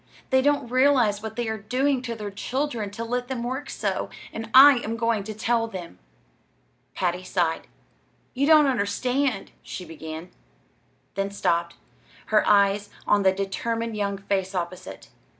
They don't realize what they are doing to their children to let them work so, and I am going to tell them." Patty sighed. "Ye don't understand," she began, then stopped, her eyes on the determined young face opposite.